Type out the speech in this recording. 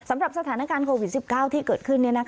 สำหรับสถานการณ์โควิด๑๙ที่เกิดขึ้น